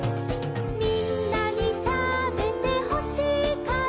「みんなにたべてほしいから」